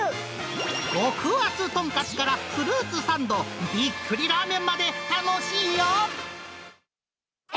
極厚とんかつからフルーツサンド、びっくりラーメンまで楽しいよ！